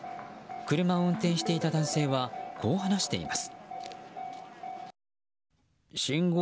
車を運転していた男性はこう話しています。